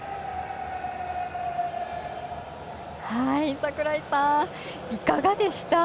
櫻井さん、いかがでした？